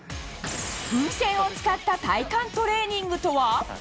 風船を使った体幹トレーニングとは。